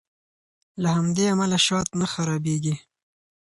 له همدې امله شات نه خرابیږي.